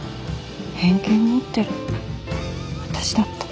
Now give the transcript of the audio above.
偏見持ってるの私だった。